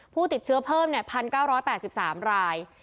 ผู้ติดเชื้อเพิ่ม๑๙๘๓ราย